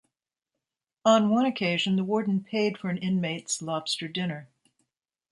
On one occasion, the warden paid for an inmate's lobster dinner.